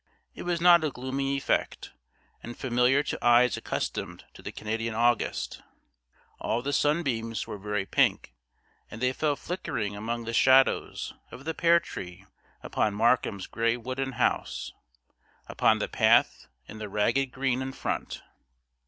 It was not a gloomy effect, and familiar to eyes accustomed to the Canadian August. All the sunbeams were very pink, and they fell flickering among the shadows of the pear tree upon Markham's grey wooden house, upon the path and the ragged green in front.